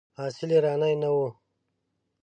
اصیل ایرانی نه وو.